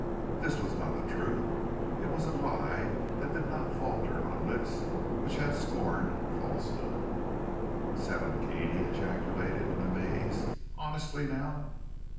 This was not the truth. It was a lie that did not falter on lips which had scorned falsehood. "Seventeen!" he ejaculated in amaze. "Honestly, now?"